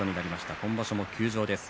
今場所も休場です。